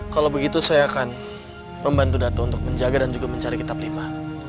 kalau begitu saya akan membantu datu untuk menjaga dan juga mencari kitab lima